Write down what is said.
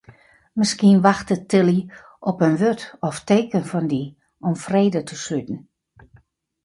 Miskien wachtet Tilly op in wurd of teken fan dy om frede te sluten.